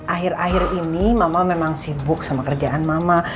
akhir akhir ini mama memang sibuk sama kerjaan mama